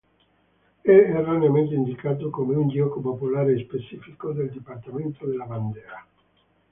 È erroneamente indicato come un gioco popolare e specifico del dipartimento della Vandea.